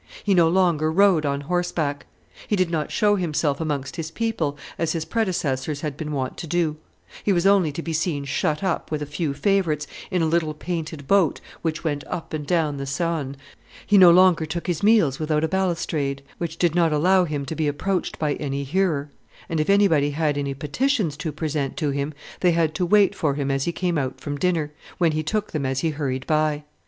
He no longer rode on horseback; he did not show himself amongst his people, as his predecessors had been wont to do; he was only to be seen shut up with a few favorites in a little painted boat which went up and down the Saone he no longer took his meals without a balustrade, which did not allow him to be approached any nearer; and if anybody had any petitions to present to him, they had to wait for him as he came out from dinner, when he took them as he hurried by.